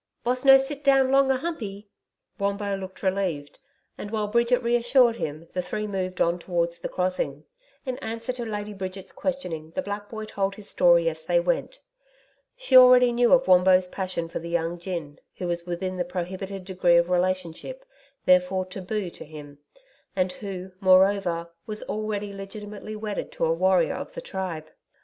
'Boss no sit down long a Humpey?' Wombo looked relieved, and while Bridget reassured him, the three moved on towards the crossing. In answer to Lady Bridget's questioning the black boy told his story as they went. She already knew of Wombo's passion for the young gin, who was within the prohibited degree of relationship, therefore TABU to him, and who, moreover, was already legitimately wedded to a warrior of the tribe.